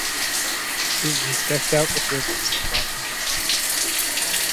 It was decked out with ribbons and brought home in triumph.